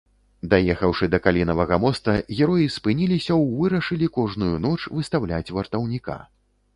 Даехаўшы да калінавага моста, героі спыніліся ў вырашылі кожную ноч выстаўляць вартаўніка.